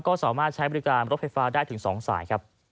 ก็ใช้บริการบริษัทไฟฟ้าได้ถึง๒สาย